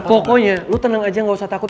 pokoknya lo tenang aja gausah takut